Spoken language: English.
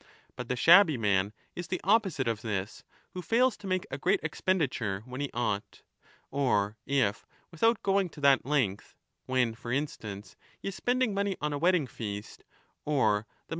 But the shabby man is the opposite of this, who 5 fails to make a great expenditure when he ought ;^ or if, without going to that length, when, for instance, he is spending money on a wedding feast or the mounting of 21 ^6 = E.